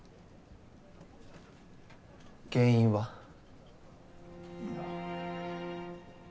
原因は？いや。